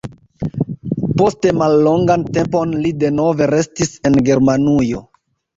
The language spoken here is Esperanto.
Poste mallongan tempon li denove restis en Germanujo.